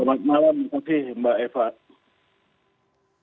selamat malam terima kasih mbak eva